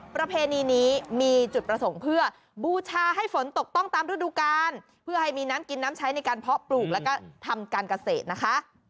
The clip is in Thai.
ประเพณีนี้มีจุดประสงค์เพื่อบูชาให้ฝนตกต้องตามฤดูกาลเพื่อให้มีน้ำกินน้ำใช้ในการเพาะปลูกแล้วก็ทำการเกษตรนะคะ